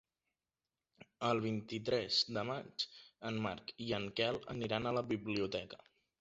El vint-i-tres de maig en Marc i en Quel aniran a la biblioteca.